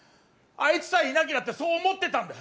あいつさえいなければってそう思ってたんだよ。